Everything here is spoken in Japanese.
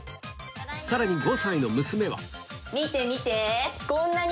さらに５歳の娘は見て見て！